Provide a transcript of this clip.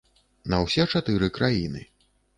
На ўсе чатыры краіны.